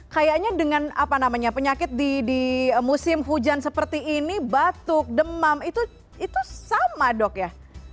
kayaknya dengan apa namanya penyakit di musim hujan seperti ini batuk demam itu sama dok ya